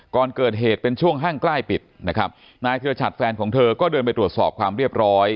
ก่อนเกิดเหตุเป็นช่วงห้างใกล้ปิดนะครับนายธิรชัดแฟนของเธอก็เดินไปตรวจสอบความเรียบร้อย